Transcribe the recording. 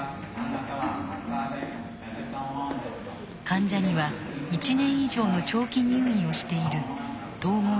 患者には１年以上の長期入院をしている統合